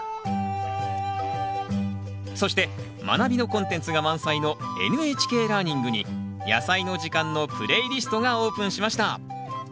そして「まなび」のコンテンツが満載の「ＮＨＫラーニング」に「やさいの時間」のプレイリストがオープンしました。